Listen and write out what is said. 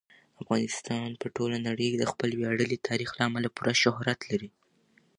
افغانستان په ټوله نړۍ کې د خپل ویاړلي تاریخ له امله پوره شهرت لري.